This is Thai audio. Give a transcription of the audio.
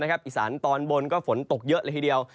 อีสานตอนบนก็ฝนตกเยอะเลยทีเดียว